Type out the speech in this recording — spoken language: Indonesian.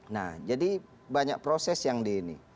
nah jadi banyak proses yang di ini